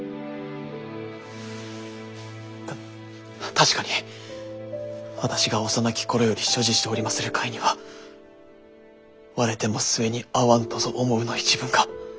確かに私が幼き頃より所持しておりまする貝には「われても末に逢はむとぞ思ふ」の一文が。